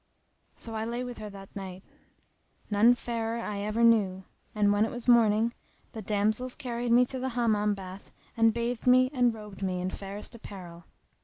So I lay with her that night; none fairer I ever knew; and, when it was morning, the damsels carried me to the Hammam bath and bathed me and robed me in fairest apparel.